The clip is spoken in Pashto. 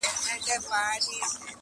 يار له جهان سره سیالي کومه ښه کومه ,